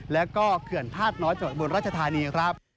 และก็เขื่อนภาษณ์น้อยบนราชธานีครับ